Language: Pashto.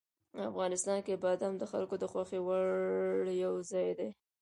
افغانستان کې بادام د خلکو د خوښې وړ یو ځای دی.